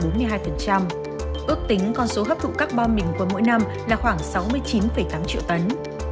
ước tính con số hấp thụ carbon đỉnh quân mỗi năm là khoảng sáu mươi chín tám triệu tấn